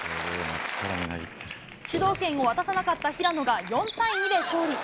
主導権を渡さなかった平野が４対２で勝利。